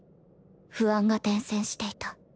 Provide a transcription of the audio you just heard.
不安が伝染していた。